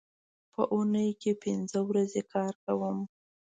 زه په اونۍ کې پینځه ورځې کار کوم